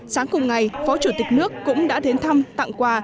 sáng cùng ngày phó chủ tịch nước cũng đã đến thăm tặng quà